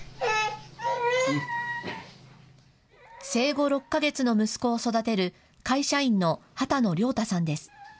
生後６か月の息子を育てる会社員の羽田野良太さんです。